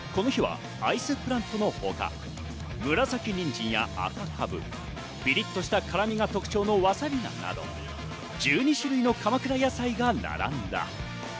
この日はアイスプラントの他、紫にんじんや赤かぶ、ぴりっとした辛味が特徴のわさび菜など１２種類の鎌倉野菜が並んだ。